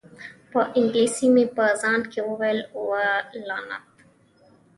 په انګلیسي مې په ځان کې وویل: اوه، لعنت!